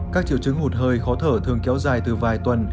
các triệu chứng hụt hơi khó thở thường kéo dài từ vài tuần